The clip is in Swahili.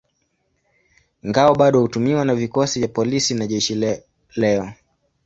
Ngao bado hutumiwa na vikosi vya polisi na jeshi leo.